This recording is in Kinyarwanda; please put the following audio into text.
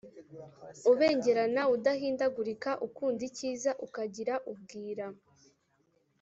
ubengerana, udahindagurika, ukunda icyiza, ukagira ubwira,